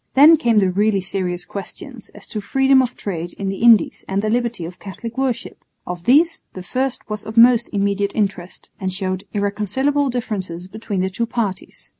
Then came the really serious questions as to freedom of trade in the Indies and the liberty of Catholic worship. Of these the first was of most immediate interest, and showed irreconcilable differences between the two parties.